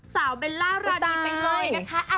สาวเบลลาร่านีไปเลยนะคะ